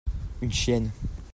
une chienne.